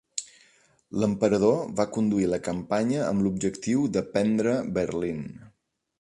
L'Emperador va conduir la campanya amb l'objectiu de prendre Berlín.